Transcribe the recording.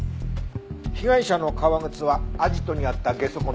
被害者の革靴はアジトにあったゲソ痕と同じものだった。